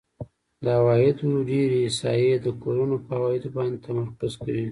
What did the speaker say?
د عوایدو ډېری احصایې د کورونو په عوایدو باندې تمرکز کوي